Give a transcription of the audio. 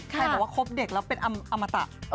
ใครบอกว่าคบเด็กแล้วเป็นอมตะ